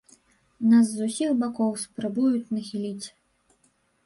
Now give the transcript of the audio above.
Нас з усіх бакоў спрабуюць нахіліць.